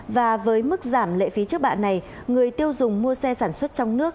và với mức giảm lệ phí trước bạ này người tiêu dùng mua xe sản xuất trong nước